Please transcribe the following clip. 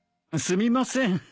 すみません。